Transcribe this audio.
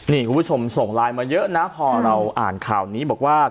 นี่คุณผู้ชมส่งไลน์มาเยอะนะพอเราอ่านข่าวนี้บอกว่า